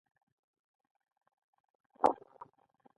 کندز د افغانستان په شمال کې یو مهم ښار دی.